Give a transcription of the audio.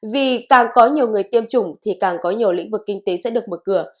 vì càng có nhiều người tiêm chủng thì càng có nhiều lĩnh vực kinh tế sẽ được mở cửa